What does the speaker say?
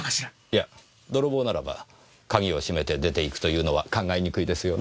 いや泥棒ならば鍵を閉めて出て行くというのは考えにくいですよね？